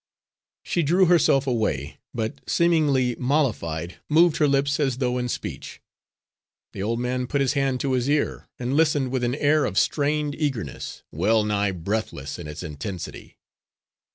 She drew herself away, but, seemingly mollified, moved her lips as though in speech. The old man put his hand to his ear and listened with an air of strained eagerness, well nigh breathless in its intensity.